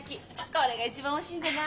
これが一番おいしいんだな。